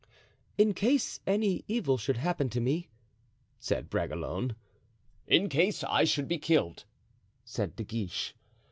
"In case any evil should happen to me," said Bragelonne. "In case I should be killed," said De Guiche.